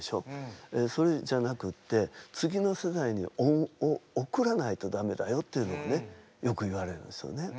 それじゃなくって次の世代におんをおくらないとダメだよっていうのをねよく言われるんですよね。